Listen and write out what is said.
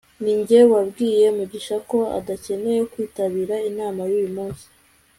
ninjye wabwiye mugisha ko adakeneye kwitabira inama yuyu munsi